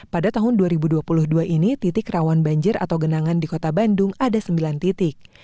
pada tahun dua ribu dua puluh dua ini titik rawan banjir atau genangan di kota bandung ada sembilan titik